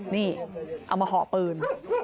นี่เอามาห่อปืน